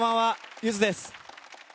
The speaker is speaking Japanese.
ゆずです。